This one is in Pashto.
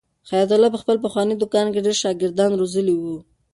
حیات الله په خپل پخواني دوکان کې ډېر شاګردان روزلي وو.